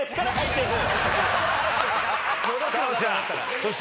そして。